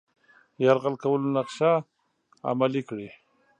یرغل کولو نقشه عملي کړي.